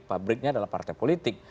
pabriknya adalah partai politik